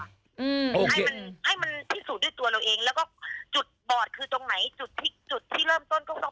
ถ้าต้องค่อยยิ้บแถลงข่าวกี้เหมือนเหล้าเราร้อนลลน